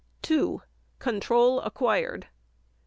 2. _Control acquired.